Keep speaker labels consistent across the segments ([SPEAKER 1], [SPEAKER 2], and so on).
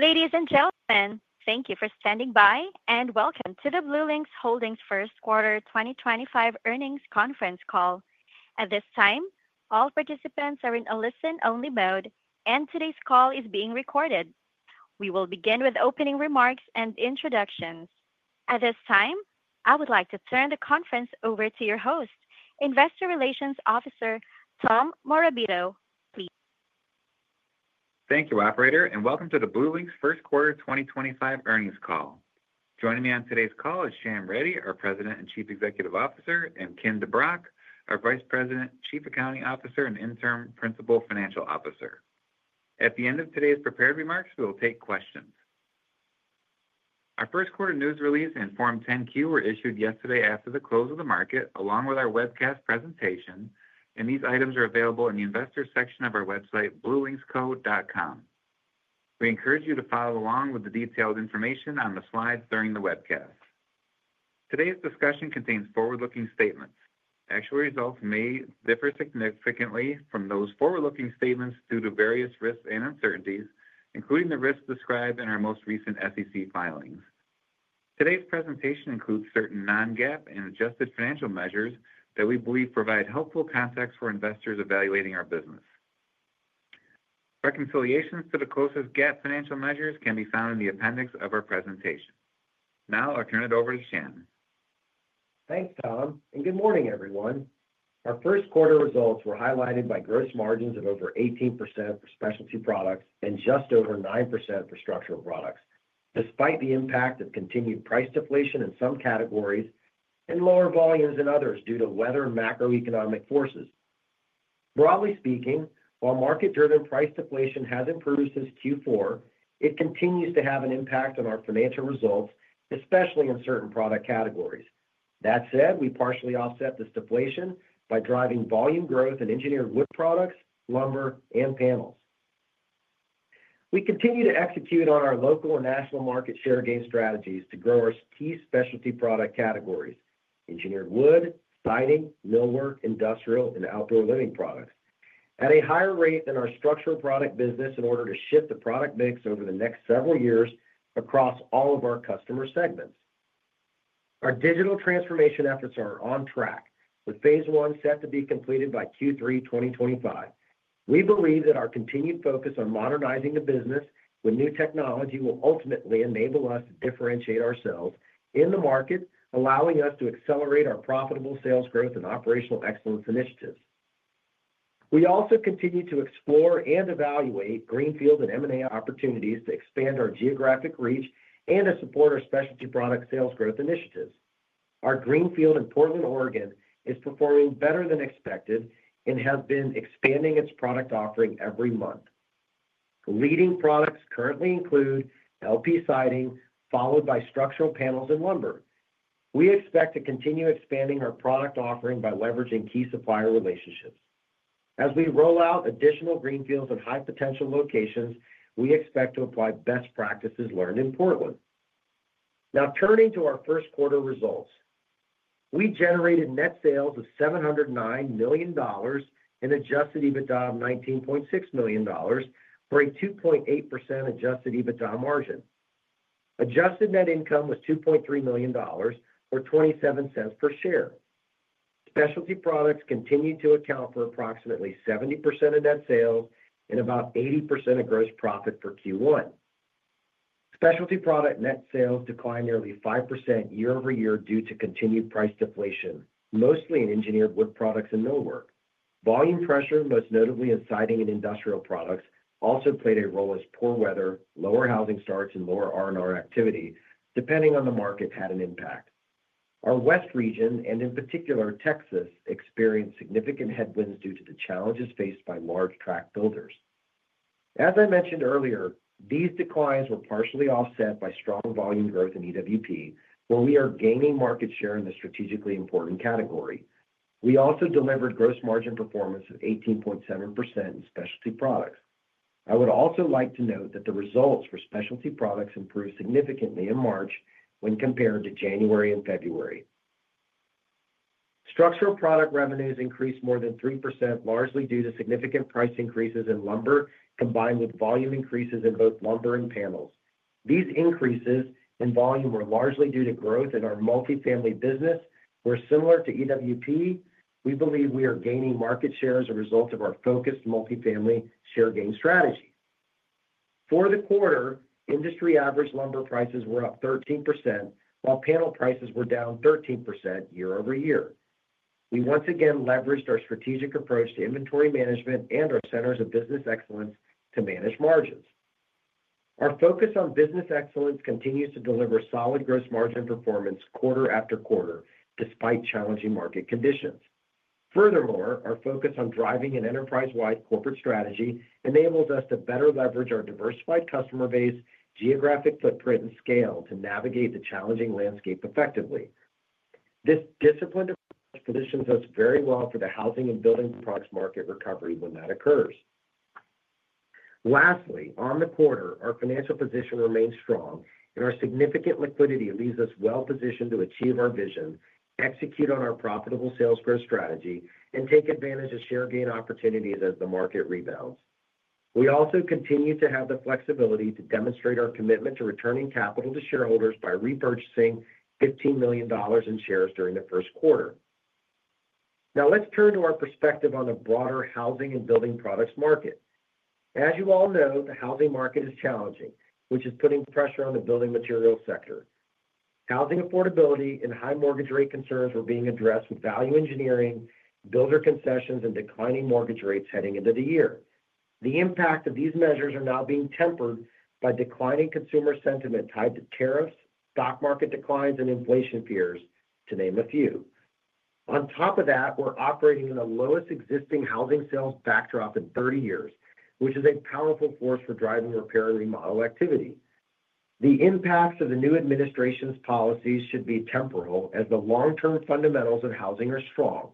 [SPEAKER 1] Ladies and gentlemen, thank you for standing by and welcome to the BlueLinx Holdings first quarter 2025 earnings conference call. At this time all participants are in a listen only mode and today's call is being recorded. We will begin with opening remarks and introductions. At this time I would like to turn the conference over to your host, Investor Relations Officer Tom Morabito, please.
[SPEAKER 2] Thank you, operator, and welcome to the BlueLinx first quarter 2025 earnings call. Joining me on today's call is Shyam Reddy, our President and Chief Executive Officer, and Kim DeBrock, our Vice President, Chief Accounting Officer and Interim Principal Financial Officer. At the end of today's prepared remarks, we will take questions. Our first quarter news release and Form 10-Q were issued yesterday after the close of the market along with our webcast presentation, and these items are available in the Investors section of our website, bluelinxco.com. We encourage you to follow along with the detailed information on the slides during the webcast. Today's discussion contains forward-looking statements. Actual results may differ significantly from those forward-looking statements due to various risks and uncertainties, including the risks described in our most recent SEC filings. Today's presentation includes certain non-GAAP and adjusted financial measures that we believe provide helpful context for investors evaluating our business. Reconciliations to the closest GAAP financial measures can be found in the appendix of our presentation. Now I'll turn it over to Shyam.
[SPEAKER 3] Thanks Tom and good morning everyone. Our first quarter results were highlighted by gross margins of over 18% for specialty products and just over 9% for structural products, despite the impact of continued price deflation in some categories and lower volumes than others due to weather and macroeconomic forces. Broadly speaking, while market driven price deflation has improved since Q4, it continues to have an impact on our financial results, especially in certain product categories. That said, we partially offset this deflation by driving volume growth in engineered wood products, lumber and panels. We continue to execute on our local and national market share gain strategies to grow our key specialty product categories engineered wood, siding, millwork, industrial and outdoor living products at a higher rate than our structural product business. In order to shift the product mix over the next several years across all of our customer segments. Our digital transformation efforts are on track with phase one set to be completed by Q3 2025. We believe that our continued focus on modernizing the business with new technology will ultimately enable us to differentiate ourselves in the market, allowing us to accelerate our profitable sales growth and operational excellence initiatives. We also continue to explore and evaluate Greenfield and M&A opportunities to expand our geographic reach and to support our specialty product sales growth initiatives. Our Greenfield in Portland, Oregon is performing better than expected and has been expanding its product offering every month. Leading products currently include LP siding, followed by structural panels and lumber. We expect to continue expanding our product offering by leveraging key supplier relationships. As we roll out additional Greenfields and high potential locations, we expect to apply best practices learned in Portland. Now turning to our first quarter results, we generated net sales of $709 million and adjusted EBITDA of $19.6 million for a 2.8% adjusted EBITDA margin. Adjusted net income was $2.3 million or $0.27 per share. Specialty products continue to account for approximately 70% of net sales and about 80% of gross profit. For Q1, specialty product net sales declined nearly 5% year over year due to continued price deflation, mostly in engineered wood products and millwork. Volume pressure, most notably in siding and industrial products, also played a role as poor weather, lower housing starts, and lower R&R activity depending on the market had an impact. Our West region, and in particular Texas, experienced significant headwinds due to the challenges faced by large tract builders. As I mentioned earlier, these declines were partially offset by strong volume growth in EWP where we are gaining market share in the strategically important category. We also delivered gross margin performance of 18.7% in specialty products. I would also like to note that the results for specialty products improved significantly in March when compared to January and February. Structural product revenues increased more than 3% largely due to significant price increases in lumber combined with volume increases in both lumber and panels. These increases in volume were largely due to growth in our multifamily business where similar to EWP we believe we are gaining market share as a result of our focused multifamily share gain strategy. For the quarter industry average lumber prices were up 13% while panel prices were down 13% year over year. We once again leveraged our strategic approach to inventory management and our centers of business excellence to manage margins. Our focus on business excellence continues to deliver solid gross margin performance quarter after quarter and despite challenging market conditions. Furthermore, our focus on driving an enterprise wide corporate strategy enables us to better leverage our diversified customer base, geographic footprint and scale to navigate the challenging landscape effectively. This disciplined approach positions us very well for the housing and building products market recovery when that occurs. Lastly on the quarter, our financial position remains strong and our significant liquidity leaves us well positioned to achieve our vision and execute on our profitable sales growth strategy and take advantage of share gain opportunities as the market rebounds. We also continue to have the flexibility to demonstrate our commitment to returning capital to shareholders by repurchasing $15 million in shares during the first quarter. Now let's turn to our perspective on the broader housing and building products market. As you all know, the housing market is challenging, which is putting pressure on the building materials sector. Housing affordability and high mortgage rate concerns were being addressed with value engineering, builder concessions and declining mortgage rates heading into the year. The impact of these measures are now being tempered by declining consumer sentiment tied to tariffs, stock market declines and inflation fears, to name a few. On top of that, we're operating in the lowest existing housing sales backdrop in 30 years, which is a powerful force for driving repair and remodel activity. The impacts of the new administration's policies should be temporal as the long term fundamentals of housing are strong.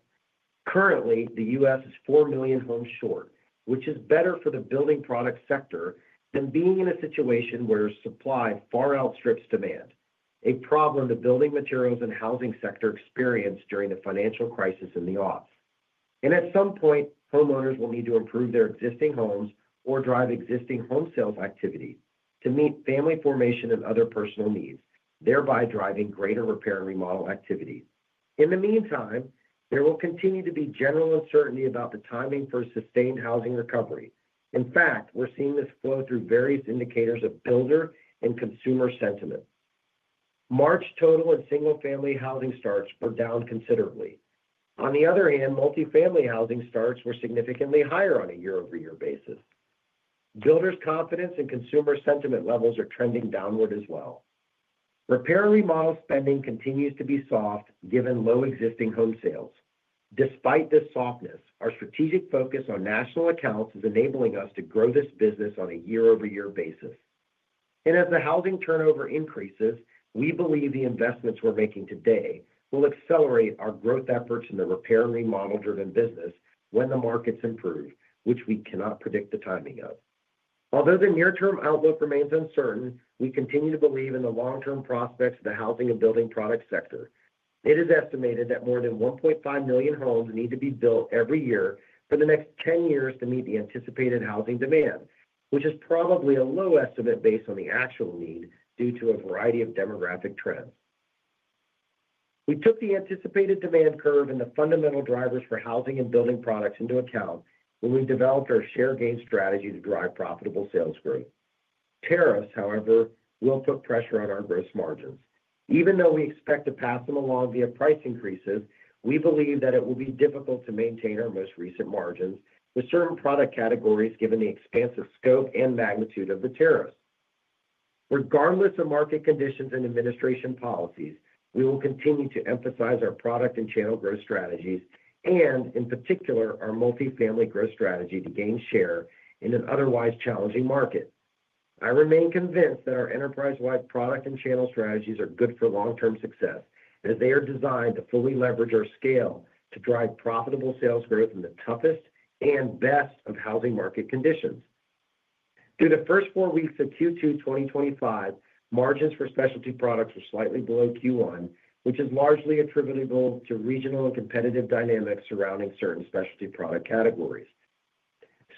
[SPEAKER 3] Currently, the U.S. is 4 million homes short, which is better for the building product sector than being in a situation where supply far outstrips demand, a problem the building materials and housing sector experienced during the financial crisis in the aughts. At some point, homeowners will need to improve their existing homes or drive existing home sales activity to meet family formation and other personal needs, thereby driving greater repair and remodel activity. In the meantime, there will continue to be general uncertainty about the timing for sustained housing recovery. In fact, we're seeing this flow through various indicators of builder and consumer sentiment. March total and single family housing starts were down considerably. On the other hand, multifamily housing starts were significantly higher on a year over year basis. Builders confidence in consumer sentiment levels are trending downward as well. Repair remodel spending continues to be soft given low existing home sales. Despite this softness, our strategic focus on national accounts is enabling us to grow this business on a year over year basis. As the housing turnover increases, we believe the investments we're making today will accelerate our growth efforts in the repair remodel driven business when the markets improve, which we cannot predict the timing of. Although the near term outlook remains uncertain, we continue to believe in the long term prospects of the housing and building product sector. It is estimated that more than 1.5 million homes need to be built every year for the next 10 years to meet the anticipated housing demand, which is probably a low estimate based on the actual need due to a variety of demographic trends. We took the anticipated demand curve and the fundamental drivers for housing and building products into account when we developed our share gain strategy to drive profitable sales growth. Tariffs, however, will put pressure on our gross margins even though we expect to pass them along via price increases. We believe that it will be difficult to maintain our most recent margins with certain product categories given the expansive scope and magnitude of the tariffs. Regardless of market conditions and administration policies. We will continue to emphasize our product and channel growth strategies and in particular our multifamily growth strategy to gain share in an otherwise challenging market. I remain convinced that our enterprise wide product and channel strategies are good for long term success as they are designed to fully leverage our scale to drive profitable sales growth in the toughest and best of housing market conditions. Through the first four weeks of Q2 2025, margins for specialty products were slightly below Q1, which is largely attributable to regional and competitive dynamics surrounding certain specialty product categories.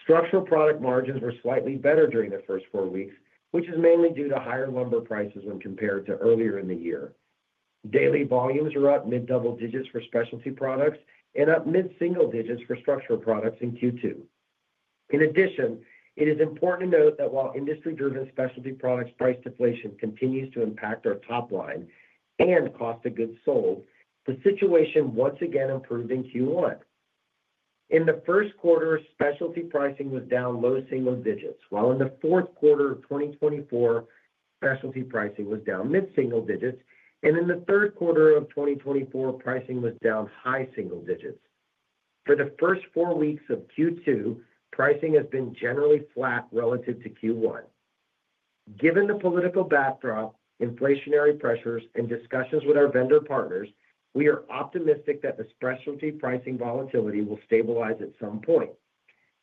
[SPEAKER 3] Structural product margins were slightly better during the first four weeks, which is mainly due to higher lumber prices when compared to earlier in the year. Daily volumes are up mid double digits for specialty products and up mid single digits for structural products in Q2. In addition, it is important to note that while industry driven specialty products price deflation continues to impact our top line and cost of goods sold, the situation once again improved in Q1. In the first quarter specialty pricing was down low single digits, while in the fourth quarter of 2024 specialty pricing was down mid single digits and in the third quarter of 2024 pricing was down high single digits. For the first four weeks of Q2, pricing has been generally flat relative to Q1. Given the political backdrop, inflationary pressures and discussions with our vendor partners, we are optimistic that the specialty pricing volatility will stabilize at some point.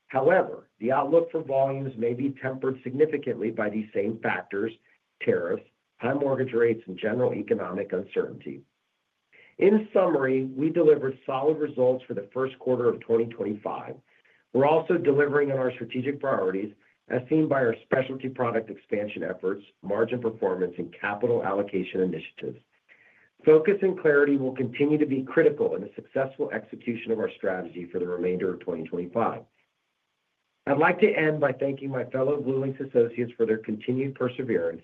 [SPEAKER 3] However, the outlook for volumes may be tempered significantly by these same factors tariffs, high mortgage rates and general economic uncertainty. In summary, we delivered solid results for the first quarter of 2025. We're also delivering on our strategic priorities as seen by our specialty product expansion efforts, margin performance, and capital allocation initiatives. Focus and clarity will continue to be critical in the successful execution of our strategy for the remainder of 2025. I'd like to end by thanking my fellow BlueLinx associates for their continued perseverance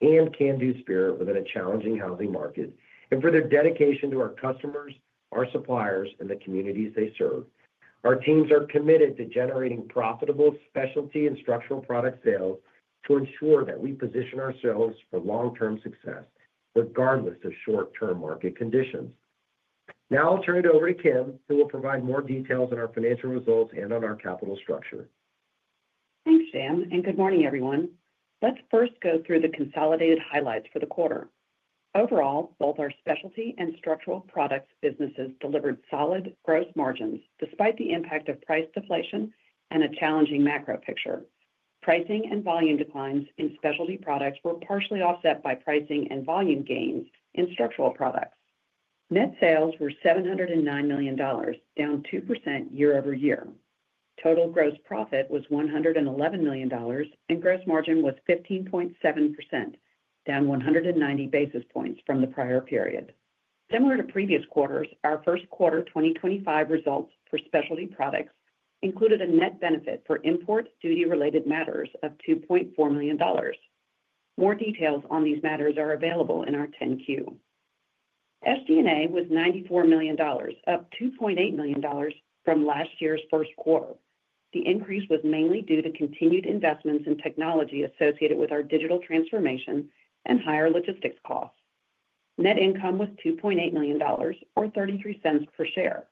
[SPEAKER 3] and can-do spirit within a challenging housing market and for their dedication to our customers, our suppliers, and the communities they serve. Our teams are committed to generating profitable specialty and structural product sales to ensure that we position ourselves for long-term success regardless of short-term market conditions. Now I'll turn it over to Kim who will provide more details on our financial results and on our capital structure.
[SPEAKER 4] Thanks Shyam and good morning everyone. Let's first go through the consolidated highlights for the quarter. Overall, both our specialty and structural products businesses delivered solid gross margins despite the impact of price deflation and a challenging macro picture. Pricing and volume declines in specialty products were partially offset by pricing and volume gains in structural products. Net sales were $709 million, down 2% year over year. Total gross profit was $111 million and gross margin was 15.7%, down 190 basis points from the prior period. Similar to previous quarters, our first quarter 2025 results for specialty products included a net benefit for import duty related matters of $2.4 million. More details on these matters are available in our 10-Q. SG&A was $94 million, up $2.8 million from last year's first quarter. The increase was mainly due to continued investments in technology associated with our digital transformation and higher logistics costs. Net income was $2.8 million or $0.33 per share.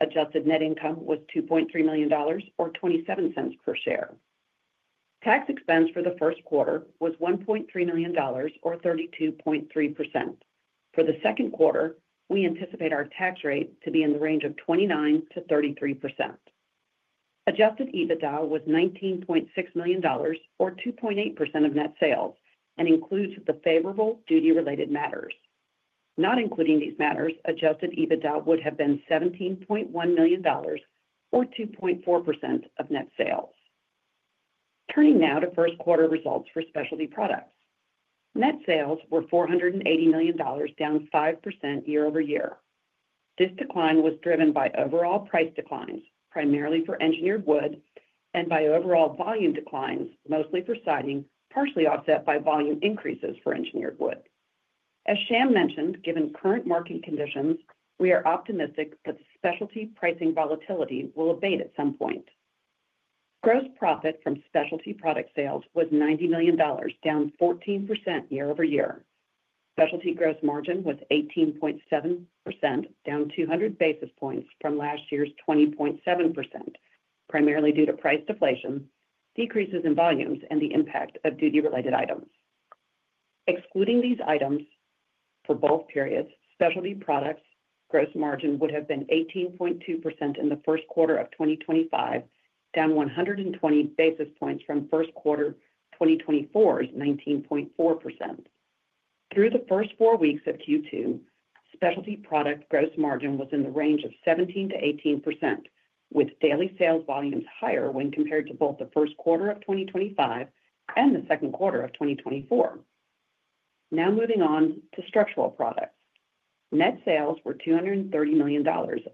[SPEAKER 4] Adjusted net income was $2.3 million or $0.27 per share. Tax expense for the first quarter was $1.3 million or 32.3%. For the second quarter we anticipate our tax rate to be in the range of 29%-33%. Adjusted EBITDA was $19.6 million or 2.8% of net sales and includes the favorable duty related matters. Not including these matters, adjusted EBITDA would have been $17.1 million or 2.4% of net sales. Turning now to first quarter results for specialty products, net sales were $480 million, down 5% year over year. This decline was driven by overall price declines, primarily for engineered wood and by overall volume declines, mostly for siding, partially offset by volume increases for engineered wood. As Shyam mentioned, given current market conditions we are optimistic, but still specialty pricing volatility will abate at some point. Gross profit from specialty product sales was $90 million, down 14% year over year. Specialty gross margin was 18.7%, down 200 basis points from last year's 20.7%, primarily due to price deflation, decreases in volumes and the impact of duty related items. Excluding these items for both periods, specialty products gross margin would have been 18.2% in the first quarter of 2025, down 120 basis points from first quarter 2024's 19.4%. Through the first four weeks of Q2, specialty product gross margin was in the range of 17%-18% with daily sales volumes higher when compared to both the first quarter of 2025 and the second quarter of 2024. Now moving on to structural products, net sales were $230 million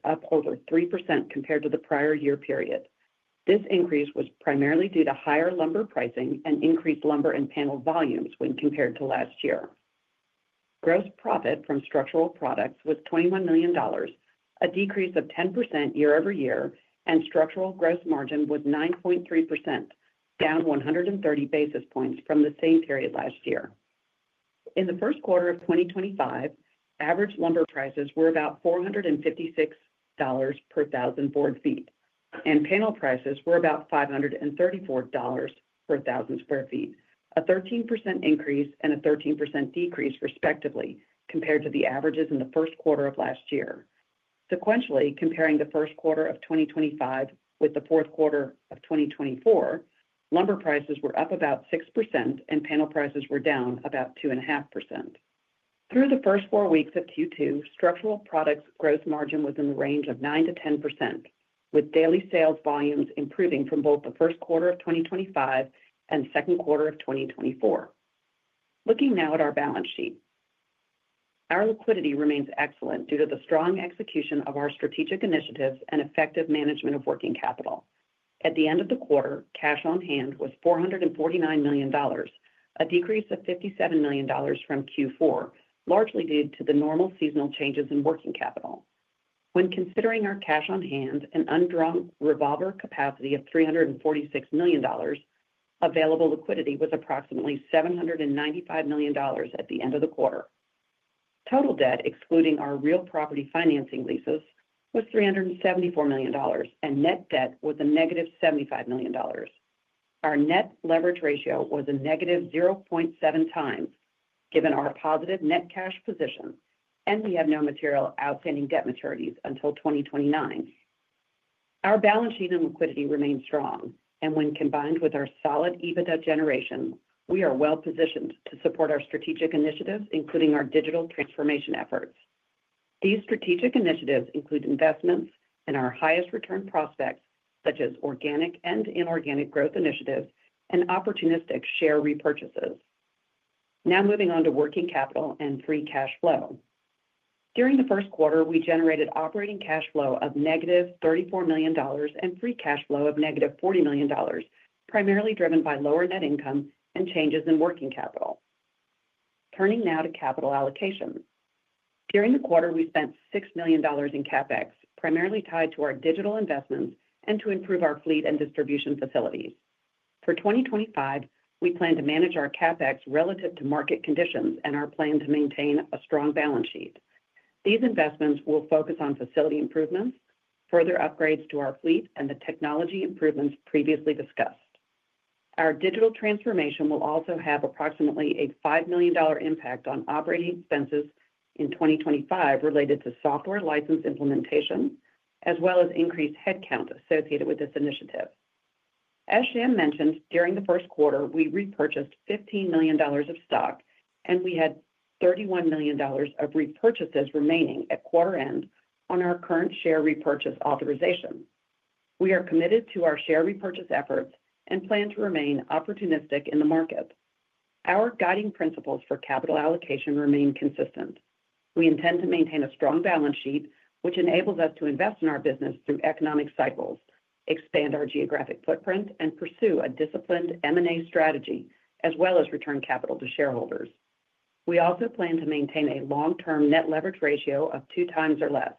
[SPEAKER 4] up over 3% compared to the prior year period. This increase was primarily due to higher lumber pricing and increased lumber and panel volumes when compared to last year. Gross profit from structural products was $21 million, a decrease of 10% year over year and structural gross margin was 9.3%, down 130 basis points from the same period last year. In the first quarter of 2025, average lumber prices were about $456 per thousand board feet and panel prices were about $534 per thousand square feet, a 13% increase and a 13% decrease respectively compared to the averages in the first quarter of last year. Sequentially comparing the first quarter of 2025 with the fourth quarter of 2024, lumber prices were up about 6% and panel prices were down about 2.5%. Through the first four weeks of Q2 structural products gross margin was in the range of 9-10%, with daily sales volumes improving from both the first quarter of 2025 and second quarter of 2024. Looking now at our balance sheet, our liquidity remains excellent due to the strong execution of our strategic initiatives and effective management of working capital. At the end of the quarter, cash on hand was $449 million, a decrease of $57 million from Q4, largely due to the normal seasonal changes in working capital. When considering our cash on hand and undrawn revolver capacity of $346 million, available liquidity was approximately $795 million. At the end of the quarter, total debt excluding our real property financing leases was $374 million and net debt was a negative $75 million. Our net leverage ratio was a negative 0.7 times. Given our positive net cash position and we have no material outstanding debt maturities until 2029, our balance sheet and liquidity remains strong and when combined with our solid EBITDA generation, we are well positioned to support our strategic initiatives, including our digital transformation efforts. These strategic initiatives include investments in our highest return prospects such as organic and inorganic growth initiatives and opportunistic share repurchases. Now moving on to working capital and free cash flow. During the first quarter we generated operating cash flow of negative $34 million and free cash flow of negative $40 million, primarily driven by lower net income and changes in working capital. Turning now to capital allocation, during the quarter we spent $6 million in CapEx primarily tied to our digital investments and to improve our fleet and distribution facilities. For 2025, we plan to manage our CapEx relative to market conditions and our plan to maintain a strong balance sheet. These investments will focus on facility improvements, further upgrades to our fleet, and the technology improvements previously discussed. Our digital transformation will also have approximately a $5 million impact on operating expenses in 2025 related to software license implementation as well as increased headcount associated with this initiative. As Shyam mentioned, during the first quarter we repurchased $15 million of stock and we had $31 million of repurchases remaining at quarter end on our current share repurchase authorization. We are committed to our share repurchase efforts and plan to remain opportunistic in the market. Our guiding principles for capital allocation remain consistent. We intend to maintain a strong balance sheet which enables us to invest in our business through economic cycles, expand our geographic footprint and pursue a disciplined M&A strategy as well as return capital to shareholders. We also plan to maintain a long term net leverage ratio of two times or less.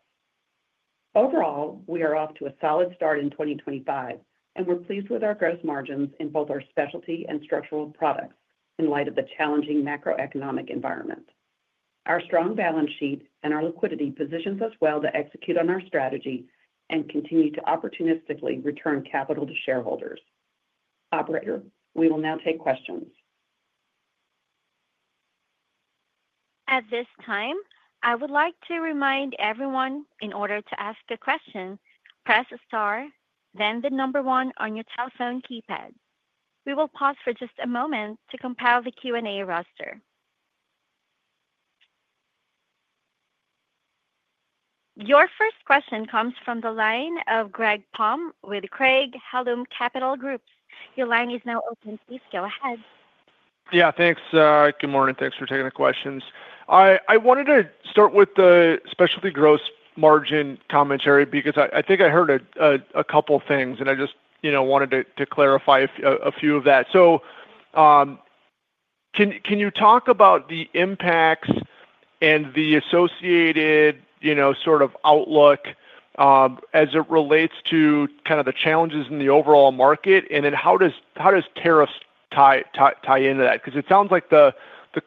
[SPEAKER 4] Overall, we are off to a solid start in 2025 and we're pleased with our gross margins in both our specialty and structural products. In light of the challenging macroeconomic environment, our strong balance sheet and our liquidity positions us well to execute on our strategy and continue to opportunistically return capital to shareholders. Operator, we will now take questions.
[SPEAKER 1] At this time I would like to remind everyone, in order to ask a question, press Star, then the number one on your telephone keypad. We will pause for just a moment to compile the Q&A roster. Your first question comes from the line of Greg Palm with Craig-Hallum Capital Group. Your line is now open. Please go ahead.
[SPEAKER 5] Yeah, thanks. Good morning. Thanks for taking the questions. I wanted to start with the specialty gross margin commentary because I think I heard a couple things and I just wanted to clarify a few of that. So. Can you talk about the impacts and the associated sort of outlook as it relates to kind of the challenges in the overall market and then how does, how does tariffs tie into that? Because it sounds like the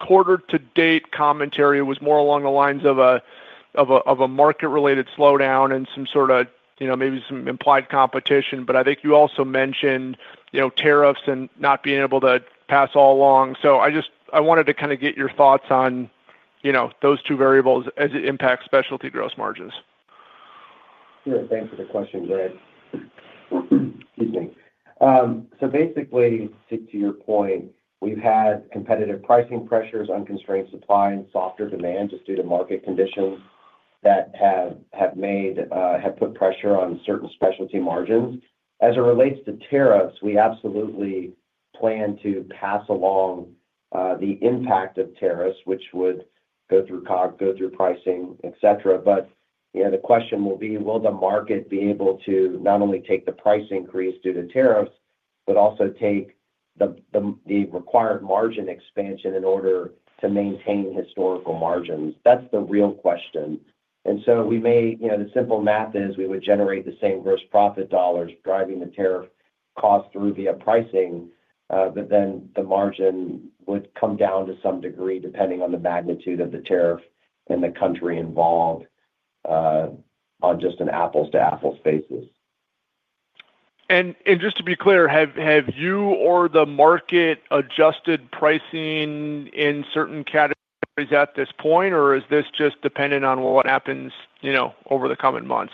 [SPEAKER 5] quarter to date commentary was more along the lines of a market related slowdown and some sort of, you know, maybe some implied competition. I think you also mentioned, you know, tariffs and not being able to pass all along. I just wanted to kind of get your thoughts on, you know, those two variables as it impacts specialty gross margins.
[SPEAKER 3] Thanks for the question, Greg. Excuse me. Basically to your point, we've had competitive pricing pressures, unconstrained supply and softer demand just due to market conditions that have put pressure on certain specialty margins. As it relates to tariffs, we absolutely plan to pass along the impact of tariffs, which would go through COGS, go through pricing, etc. You know, the question will be will the market be able to not only take the price increase due to tariffs, but also take the required margin expansion in order to maintain historical margins? That's the real question. We may. You know, the simple math is we would generate the same gross profit dollars driving the tariff cost through via pricing, but then the margin would come down to some degree depending on the magnitude of the tariff in the country involved on just an apples to apples basis.
[SPEAKER 5] Just to be clear, have you or the market adjusted pricing in certain categories at this point, or is this just dependent on what happens, you know, over the coming months?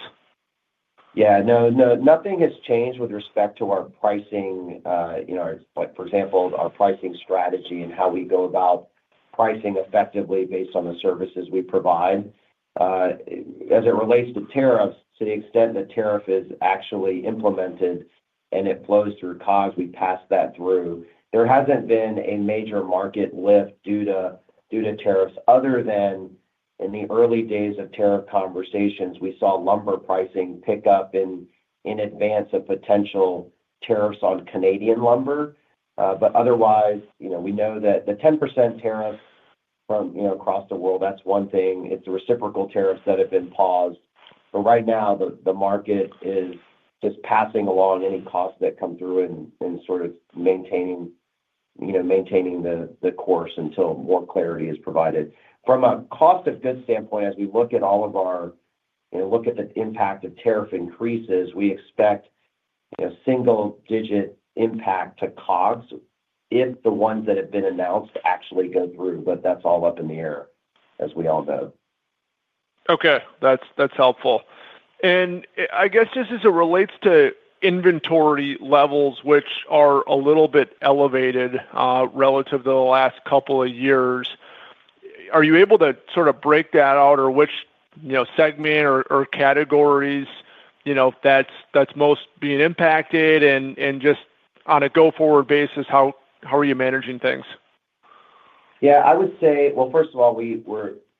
[SPEAKER 3] Yeah, no, no, nothing has changed with respect to our pricing. You know, like for example, our pricing strategy and how we go about pricing effectively based on the services we provide as it relates to tariffs. To the extent that tariff is actually implemented and it flows through because we pass that through. There hasn't been a major market lift due to, due to tariffs other than in the early days of tariff conversations, we saw lumber pricing pick up in advance of potential tariffs on Canadian lumber. Otherwise, we know that the 10% tariff across the world, that's one thing, it's reciprocal tariffs that have been paused. Right now the market is just passing along any costs that come through and sort of maintaining the course until more clarity is provided from a cost of goods standpoint. As we look at all of our and look at the impact of tariff increases, we expect a single-digit impact to COGS if the ones that have been announced actually go through. That's all up in the air as we all know.
[SPEAKER 5] Okay, that's helpful. I guess just as it relates to inventory levels which are a little bit elevated relative to the last couple of years, are you able to sort of break that out or which segment or categories that's most being impacted? Just on a go forward basis, how are you managing things?
[SPEAKER 3] Yeah, I would say, first of all, we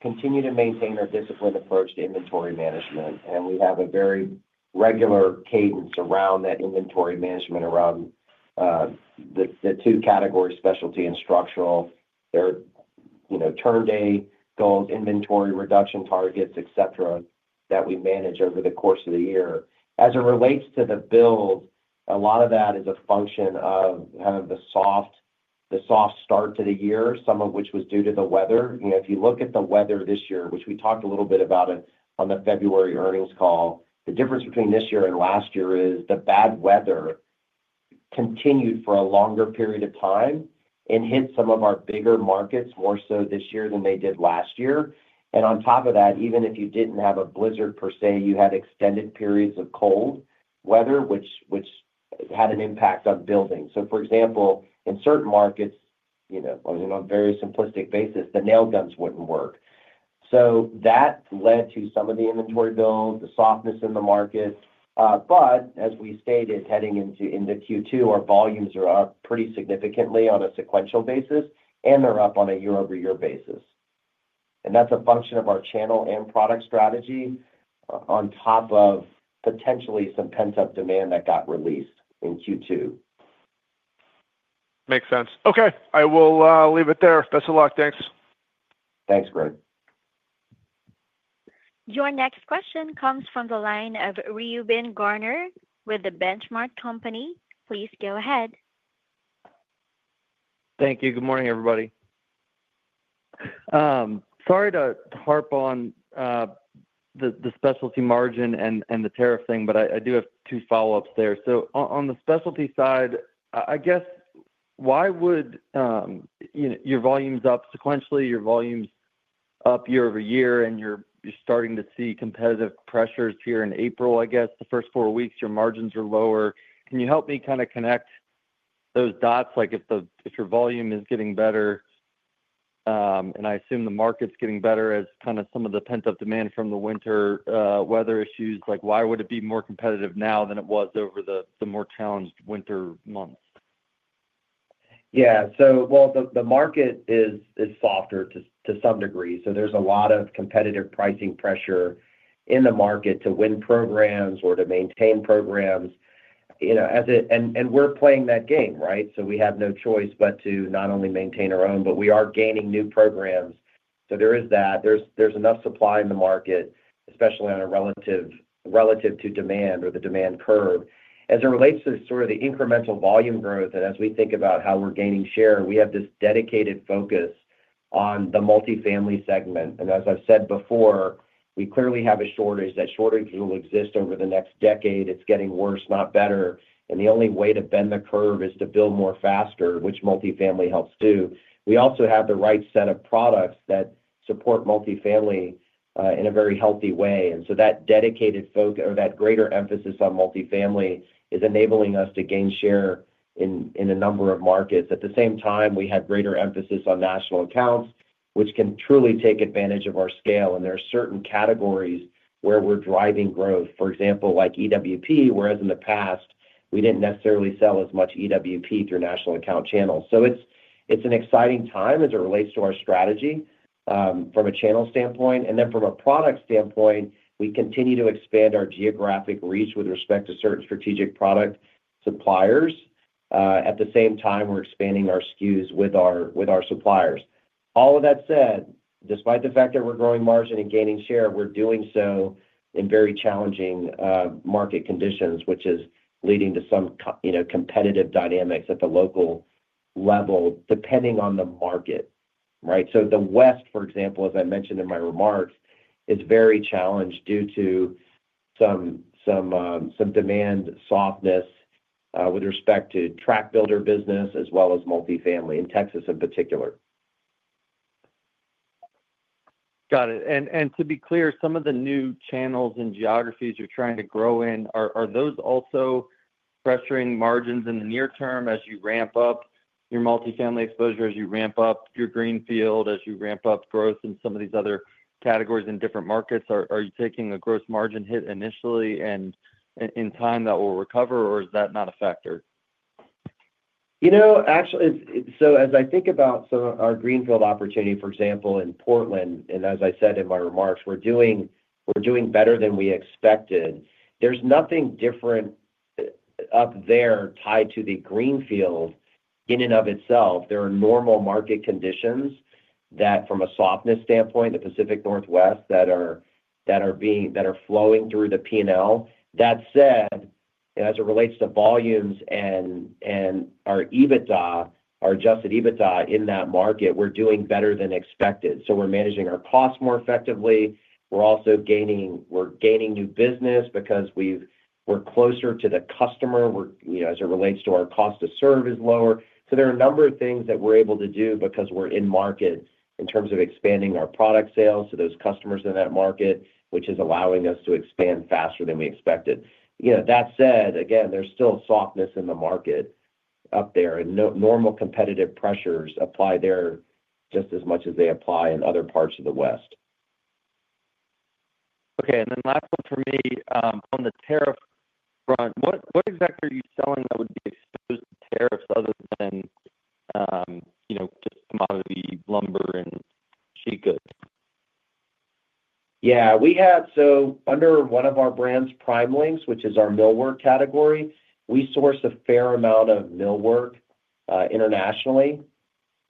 [SPEAKER 3] continue to maintain our disciplined approach to inventory management and we have a very regular cadence around that inventory management around the two categories, specialty and structural. There are, you know, turn day goals, inventory reduction targets, etc., that we manage over the course of the year. As it relates to the build, a lot of that is a function of the soft, the soft start to the year, some of which was due to the weather. You know, if you look at the weather this year, which we talked a little bit about on the February earnings call, the difference between this year and last year is the bad weather continued for a longer period of time and hit some of our bigger markets more so this year than they did last year. On top of that, even if you did not have a blizzard per se, you had extended periods of cold weather, which had an impact on building. For example, in certain markets, you know, on a very simplistic basis, the nail guns would not work. That led to some of the inventory build and the softness in the market. As we stated heading into Q2, our volumes are up pretty significantly on a sequential basis and they are up on a year-over-year basis. That is a function of our channel and product strategy on top of potentially some pent-up demand that got released in Q2.
[SPEAKER 5] Makes sense. Okay, I will leave it there. Best of luck. Thanks.
[SPEAKER 3] Thanks Greg.
[SPEAKER 1] Your next question comes from the line of Reuben Garner with The Benchmark Company. Please go ahead.
[SPEAKER 6] Thank you. Good morning everybody. Sorry to harp on the specialty margin. The tariff thing, but I do. Have two follow ups there. On the specialty side, I guess. Why would you know your volume's up sequentially, your volume's up year over year and you're starting to see competitive pressures here in April, I guess the first four weeks your margins are lower. Can you help me kind of connect those dots? Like if the, if your volume is. Getting better, and I assume the market's getting better as kind of some of. The pent up demand from the winter. Weather issues, like why would it be more competitive now than it was over the more challenged winter months?
[SPEAKER 3] Yeah. The market is softer to some degree. There is a lot of competitive pricing pressure in the market to win programs or to maintain programs. We are playing that game. Right. We have no choice but to not only maintain our own, but we are gaining new programs. There is enough supply in the market, especially relative to demand or the demand curve as it relates to the incremental volume growth. As we think about how we are gaining share, we have this dedicated focus on the multifamily segment. As I have said before, we clearly have a shortage. That shortage will exist over the next decade. It is getting worse, not better. The only way to bend the curve is to build more faster, which multifamily helps. Do we also have the right set of products that support multifamily in a very healthy way? That dedicated focus or that greater emphasis on multifamily is enabling us to gain share in a number of markets. At the same time, we have greater emphasis on national accounts, which can truly take advantage of our scale. There are certain categories where we're driving growth, for example, like EWP, whereas in the past we didn't necessarily sell as much EWP through national account channels. It is an exciting time as it relates to our strategy from a channel standpoint and then from a product standpoint, we continue to expand our geographic reach with respect to certain strategic product suppliers. At the same time, we're expanding our SKUs with our suppliers. All of that said, despite the fact that we're growing margin and gaining share, we're doing so in very challenging market conditions, which is leading to some competitive dynamics at the local level, depending on the market. Right. The West, for example, as I mentioned in my remarks, is very challenged due to some demand softness with respect to tract builder business as well as multifamily in Texas in particular.
[SPEAKER 6] Got it. And to be clear, some of the. New channels and geographies you're trying to grow in, are those also pressuring margins? In the near term as you ramp up your multifamily exposure, as you ramp. Up your Greenfield, as you ramp up. Growth in some of these other categories. In different markets, are you taking a gross margin hit initially and in time that will recover, or is that not a factor?
[SPEAKER 3] You know, actually, as I think about our greenfield opportunity, for example, in Portland, and as I said in my remarks, we're doing better than we expected. There's nothing different up there tied to the Greenfield in and of itself. There are normal market conditions that from a softness standpoint, the Pacific Northwest that are being, that are flowing through the P&L. That said, as it relates to volumes and our EBITDA, our adjusted EBITDA in that market, we're doing better than expected. We're managing our costs more effectively. We're also gaining new business because we're closer to the customer as it relates to our cost of service. There are a number of things that we're able to do because we're in market in terms of expanding our product sales to those customers in that market, which is allowing us to expand faster than we expected. You know, that said, again, there's still softness in the market up there, and normal competitive pressures apply there just as much as they apply in other parts of the West.
[SPEAKER 6] Okay, and then last one for me. On the tariff, what exactly are you selling that would be exposed to tariffs? Other than, you know, just commodity lumber and sheet goods?
[SPEAKER 3] Yeah, we had. Under one of our brands, PrimeLinx, which is our millwork category, we source a fair amount of millwork internationally.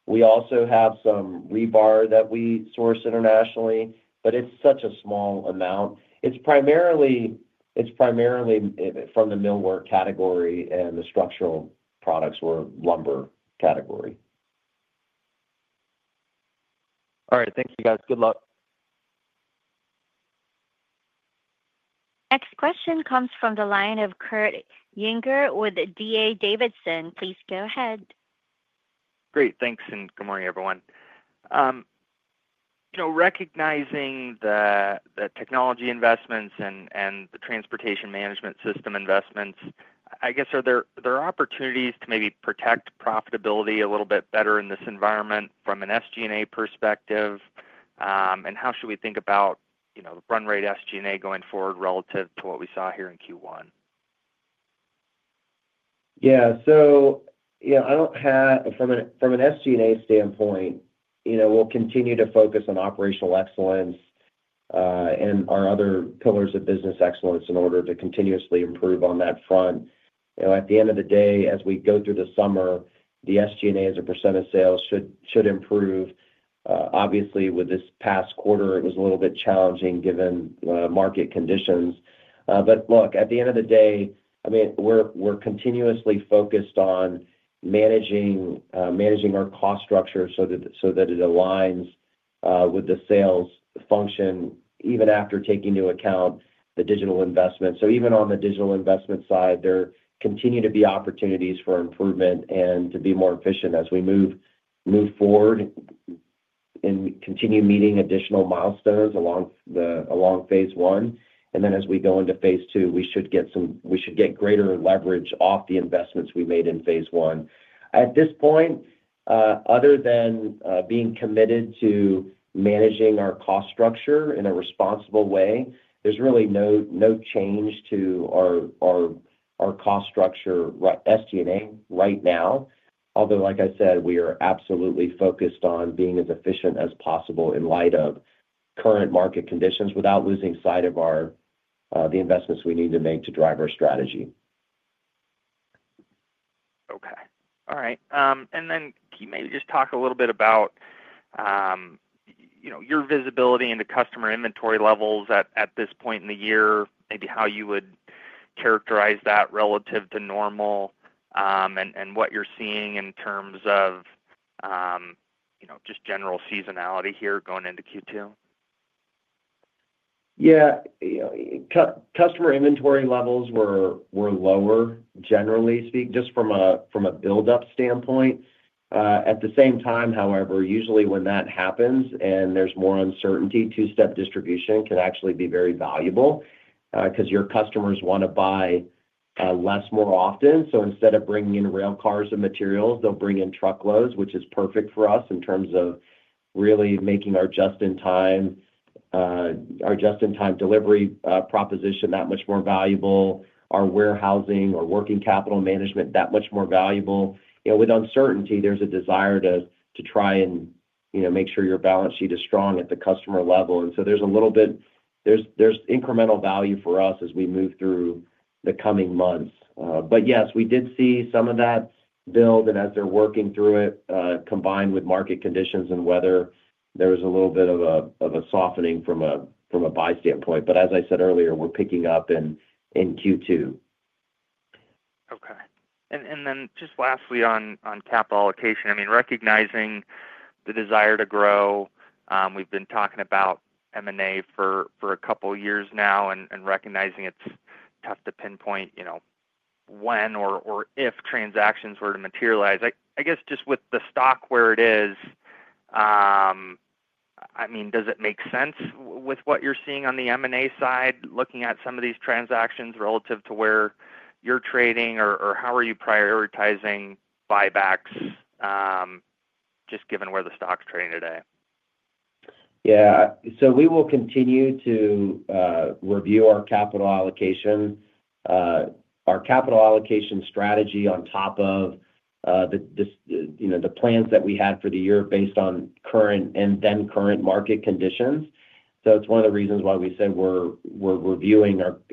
[SPEAKER 3] We also have some rebar that we source internationally, but it's such a small amount and it's primarily from the millwork category. The structural products were lumber category.
[SPEAKER 6] All right, thank you guys. Good luck.
[SPEAKER 1] Next question comes from the line of Kurt Yinger with DA Davidson. Please go ahead.
[SPEAKER 7] Great, thanks. Good morning everyone. You know, recognizing the technology investments and the transportation management system investments, I guess, are there opportunities to maybe protect profitability a little bit better in this environment from an SG&A perspective and how should we think about, you know, run rate SG&A going forward relative to what we saw here in Q1?
[SPEAKER 3] Yeah, so, yeah, I don't have. From, from an SG&A standpoint, you know, we'll continue to focus on operational excellence and our other pillars of business excellence in order to continuously improve on that front. You know, at the end of the day, as we go through the summer, the SG&A as a percent of sales should, should improve. Obviously with this past quarter, it was a little bit challenging given market conditions. Look, at the end of the day, I mean, we're continuously focused on managing, managing our cost structure so that it aligns with the sales function even after taking into account the digital investment. Even on the digital investment side, there continue to be opportunities for improvement and to be more efficient as we move forward and continue meeting additional milestones along phase I. As we go into phase II, we should get some, we should get greater leverage off the investments we made in phase I. At this point, other than being committed to managing our cost structure in a responsible way, there's really no, no change to our cost structure. SG&A right now, although, like I said, we are absolutely focused on being as efficient as possible in light of current market conditions without losing sight of our, the investments we need to make to drive our strategy.
[SPEAKER 7] Okay, all right.
[SPEAKER 6] Can you maybe just talk a little bit about, you know, your visibility into customer inventory levels at this point in the year? Maybe how you would characterize that relative to normal and what you're seeing in terms of, you know, just general seasonality here going into Q2?
[SPEAKER 3] Yeah, customer inventory levels were lower, generally speaking, just from a build up standpoint. At the same time, however, usually when that happens and there's more uncertainty, two step distribution can actually be very valuable because your customers want to buy less more often. Instead of bringing in rail cars and materials, they'll bring in truckloads, which is perfect for us in terms of really making our just in time, our just in time delivery proposition that much more valuable. Our warehousing or working capital management that much more valuable. You know, with uncertainty, there's a desire to try and, you know, make sure your balance sheet is strong at the customer level. There's a little bit, there's incremental value for us as we move through the coming months. Yes, we did see some of that and as they're working through it, combined with market conditions and weather, there was a little bit of a softening from a buy standpoint. As I said earlier, we're picking up in Q2.
[SPEAKER 7] Okay. Lastly on capital allocation, I mean, recognizing the desire to grow, we've been talking about M&A for a couple years now and recognizing it's tough to pinpoint when or if transactions were to materialize, I guess just with the stock where it is.I. mean, does it make sense with what you're seeing on the M&A side, looking at some of these transactions relative to where you're trading, or how are you prioritizing buybacks just given where the stock's trading today?
[SPEAKER 3] Yeah, we will continue to review our capital allocation, our capital allocation strategy on top of the, you know, the plans that we had for the year based on current and then current market conditions. It is one of the reasons why we said we're reviewing our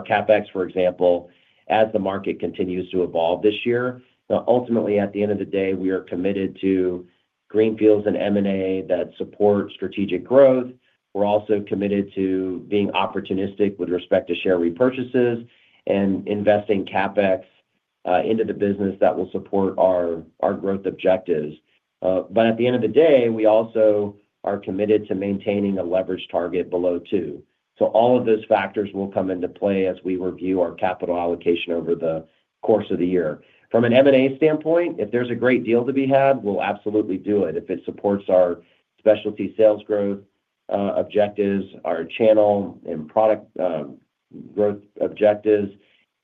[SPEAKER 3] CapEx, for example, as the market continues to evolve this year. Ultimately, at the end of the day, we are committed to Greenfields and M&A that support strategic growth. We are also committed to being opportunistic with respect to share repurchases and investing CapEx into the business that will support our growth objectives. At the end of the day, we also are committed to maintaining a leverage target below 2. All of those factors will come into play as we review our capital allocation over the course of the year. From an M&A standpoint, if there's a great deal to be had, we'll absolutely do it if it supports our specialty sales growth objectives, our channel and product growth objectives,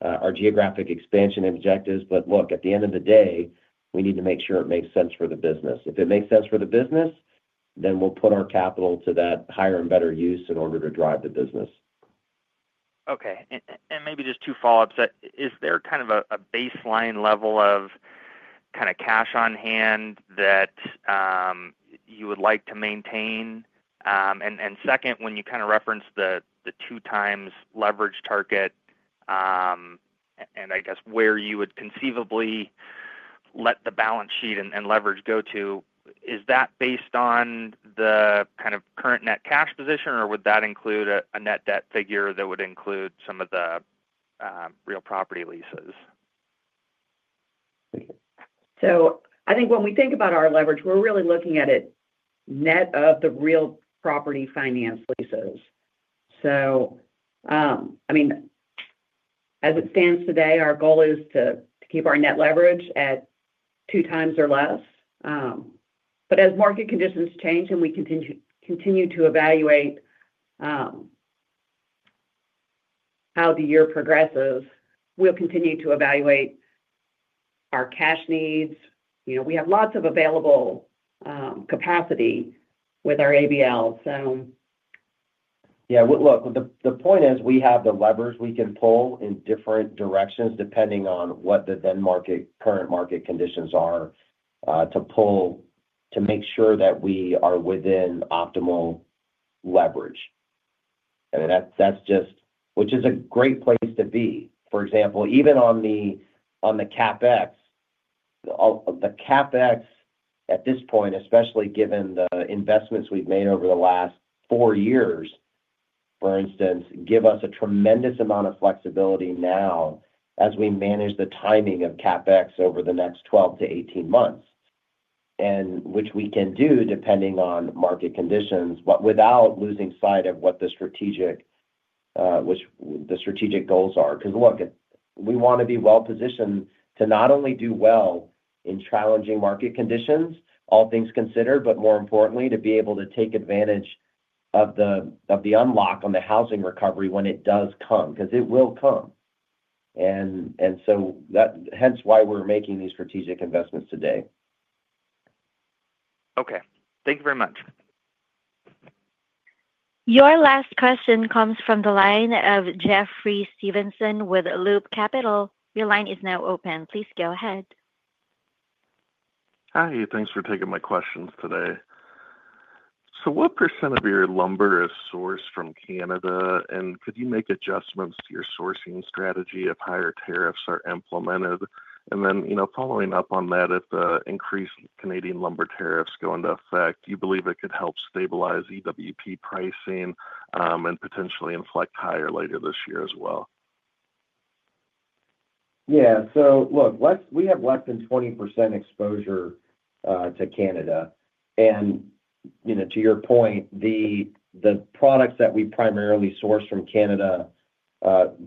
[SPEAKER 3] our geographic expansion objectives. At the end of the day, we need to make sure it makes sense for the business. If it makes sense for the business, then we'll put our capital to that higher and better use in order to drive the business.
[SPEAKER 7] Okay, and maybe just two follow ups. Is there kind of a baseline level of kind of cash on hand that you would like to maintain? Second, when you kind of reference the 2 times leverage target and I guess where you would conceivably let the balance sheet and leverage go to, is that based on the kind of current net cash position or would that include a net debt figure that would include some of the real property leases.
[SPEAKER 4] I think when we think about our leverage, we're really looking at it net of the real property finance leases. I mean as it stands today, our goal is to keep our net leverage at two times or less. As market conditions change and we continue, continue to evaluate how the year progresses, we'll continue to evaluate our cash needs. You know, we have lots of available capacity with our ABL.
[SPEAKER 3] Yeah, look, the point is we have the levers we can pull in different directions depending on what the then market, current market conditions are to pull to make sure that we are within optimal leverage. I mean that's, that's just which is a great place to be. For example, even on the, on the CapEx. The CapEx at this point, especially given the investments we've made over the last four years, for instance, give us a tremendous amount of flexibility now as we manage the timing of CapEx over the next 12 months to 18 months and which we can do depending on market conditions without losing sight of what the strategic, which the strategic goals are. Because look, we want to be well positioned to not only do well in challenging market conditions, all things considered, but more importantly to be able to take advantage of the unlock on the housing recovery when it does come. It will come. Hence why we're making these strategic investments today.
[SPEAKER 7] Okay, thank you very much.
[SPEAKER 1] Your last question comes from the line of Jeffrey Stevenson with Loop Capital. Your line is now open. Please go ahead.
[SPEAKER 8] Hi, thanks for taking my questions today. What percent of your lumber is sourced from Canada and could you make adjustments to your sourcing strategy if higher tariffs are implemented? You know, following up on that, if the increased Canadian lumber tariffs go into effect, do you believe it could help stabilize EWP pricing and potentially inflect higher later this year as well?
[SPEAKER 3] Yeah, so look, we have less than 20% exposure to Canada. And you know, to your point, the products that we primarily source from Canada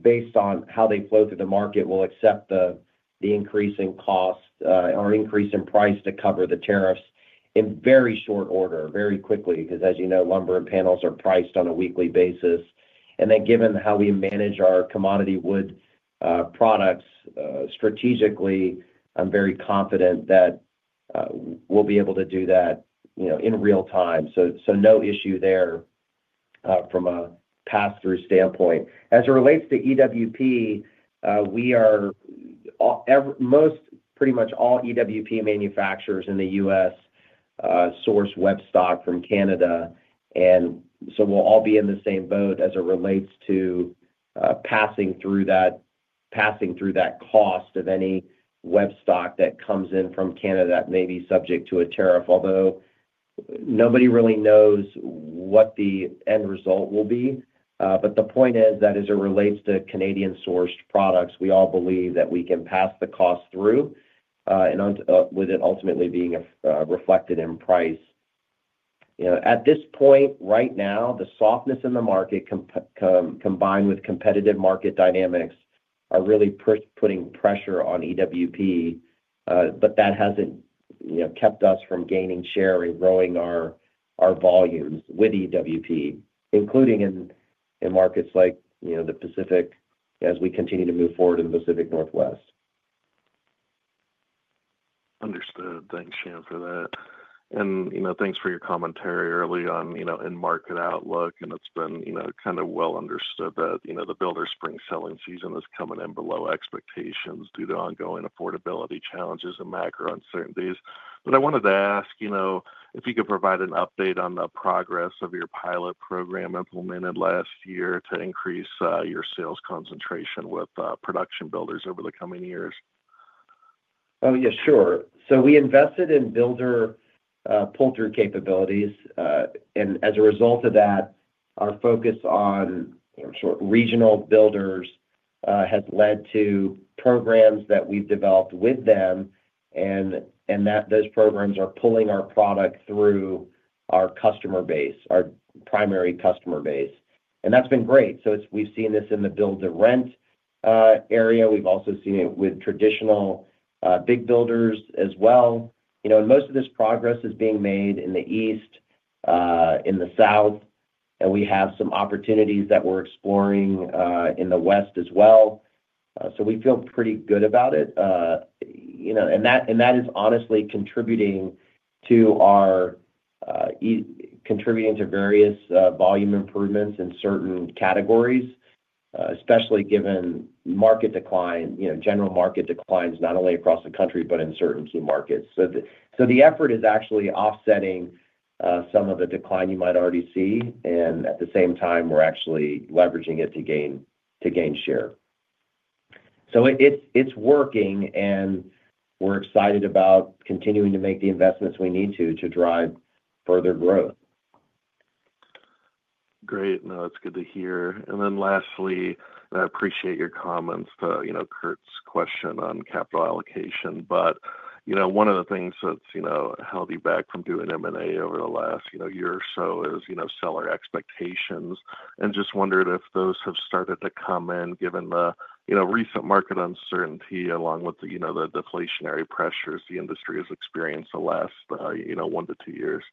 [SPEAKER 3] based on how they flow through the market will accept the increase in cost or increase in price to cover the tariffs and in very short order very quickly, because as you know, lumber and panels are priced on a weekly basis. Given how we manage our commodity wood products strategically, I'm very confident that we'll be able to do that, you know, in real time. No issue there from a pass through standpoint. As it relates to EWP, we are most pretty much all EWP manufacturers in the U.S. source web stock from Canada. We will all be in the same boat as it relates to passing through that, passing through that cost of any EWP stock that comes in from Canada that may be subject to a tariff, although nobody really knows what the end result will be. The point is that as it relates to Canadian sourced products, we all believe that we can pass the cost through and with it ultimately being reflected in price. You know, at this point right now, the softness in the market combined with competitive market dynamics are really putting pressure on EWP. That has not, you know, kept us from gaining share and growing our volumes with EWP, including in markets like the Pacific, as we continue to move forward in the Pacific Northwest.
[SPEAKER 8] Understood. Thanks, Shyam, for that and, you know, thanks for your commentary early on, you know, in market outlook. It's been, you know, kind of well understood that, you know, the builder spring selling season is coming in below expectations due to ongoing affordability challenges and macro uncertainties. I wanted to ask, you know, if you could provide an update on the progress of your pilot program implemented last year to increase your sales concentration with production builders over the coming years.
[SPEAKER 3] Oh yeah, sure. We invested in builder pull through capabilities and as a result of that, our focus on regional builders has led to programs that we've developed with them. Those programs are pulling our product through our customer base, our primary customer base. That's been great. We've seen this in the build to rent area. We've also seen it with traditional big builders as well, you know, and most of this progress is being made in the east, in the south, and we have some opportunities that we're exploring in the west as well. We feel pretty good about it, you know, and that is honestly contributing to our, contributing to various volume improvements in certain categories, especially given market decline, you know, general market declines not only across the country, but in certain key markets. The effort is actually offsetting some of the decline you might already see. At the same time we're actually leveraging it to gain, to gain share. It's working and we're excited about continuing to make the investments we need to, to drive further growth.
[SPEAKER 8] Great. No, it's good to hear. Lastly, I appreciate your comments to, you know, Kurt's question on capital allocation. One of the things that's, you know, held you back from doing M&A over the last year or so is, you know, seller expectations. I just wondered if those have started to come in given the, you know, recent market uncertainty along with, you know, the deflationary pressures the industry experienced the last, you know, one to two years.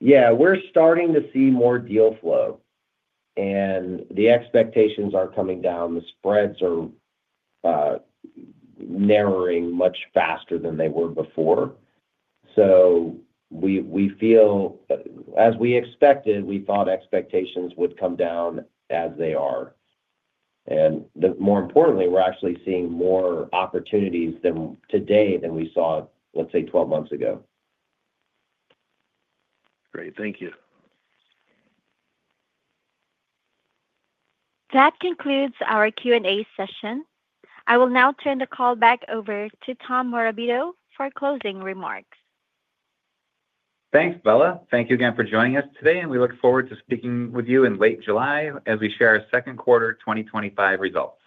[SPEAKER 3] Yeah, we're starting to see more deal flow and the expectations are coming down. The spreads are narrowing much faster than they were before. We feel as we expected, we thought expectations would come down as they are. More importantly, we're actually seeing more opportunities today than we saw, say, 12 months ago.
[SPEAKER 8] Great. Thank you.
[SPEAKER 1] That concludes our Q&A session. I will now turn the call back over to Tom Morabito for closing remarks.
[SPEAKER 2] Thanks, Bella. Thank you again for joining us today. We look forward to speaking with you in late July as we share our second quarter 2025 results.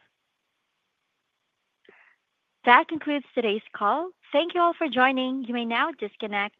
[SPEAKER 1] That concludes today's call. Thank you all for joining. You may now disconnect.